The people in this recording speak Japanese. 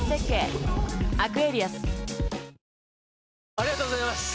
ありがとうございます！